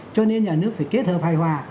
cho nên nhà nước phải kết hợp hài hòa